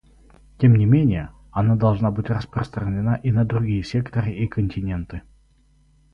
Тем не менее, она должна быть распространена и на другие секторы и континенты.